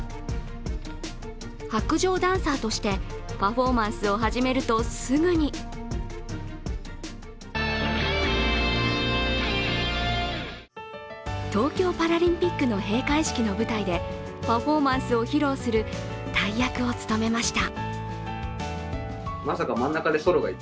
白杖ダンサーとしてパフォーマンスを始めるとすぐに東京パラリンピックの閉会式の舞台でパフォーマンスを披露する大役を務めました。